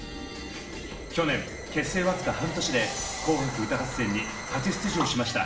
去年結成わずか半年で「紅白歌合戦」に初出場しました。